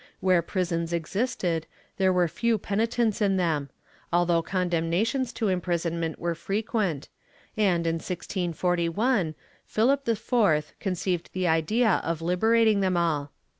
Where prisons existed there were few penitents in them, although condemnations to imprisonment were frequent and, in 1641, Phihp IV conceived the idea of liberating them all.